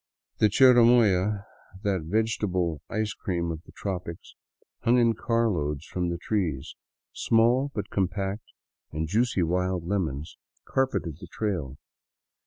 The chirimoya, that vegetable ice cream of the tropics, hung in car loads from the trees; small, but compact and juicy wild lemons, carpeted the trail.